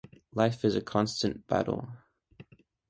Life is a constant battle.